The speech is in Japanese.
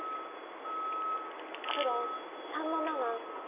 黒３の七。